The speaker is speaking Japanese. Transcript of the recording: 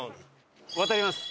渡ります。